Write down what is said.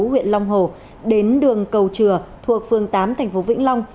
huyện long hồ đến đường cầu trừa thuộc phương tám thành phố vĩnh long